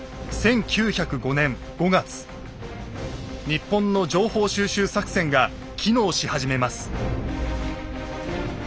日本の情報収集作戦が機能し始めます。